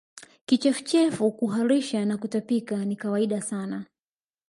Kichefuchefu kuharisha na kutapika ni kawaida sana